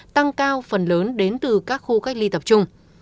tăng cao phần lớn đến từ các khu cách ly tập trung